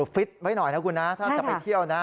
ฟิตไว้หน่อยนะคุณนะถ้าจะไปเที่ยวนะ